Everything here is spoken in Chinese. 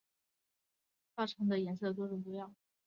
腊肠犬的颜色多种多样。